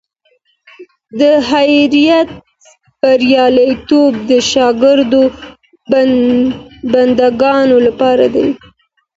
د اخیرت بریالیتوب د شاکرو بندګانو لپاره دی.